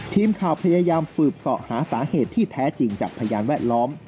ทีมข่าวพยายามสืบเสาะหาสาเหตุที่แท้จริงจากพยานแวดล้อม